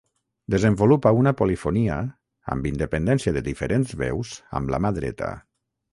Desenvolupa una polifonia, amb independència de diferents veus amb la mà dreta.